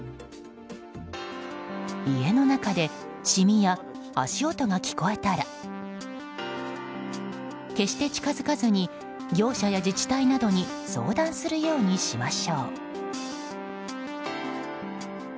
家の中でしみや足音が聞こえたら決して近づかずに業者や自治体などに相談するようにしましょう。